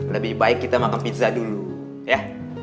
lebih baik kita makan pizza dulu ya